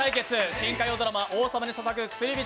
新火曜ドラマ「王様に捧ぐ薬指」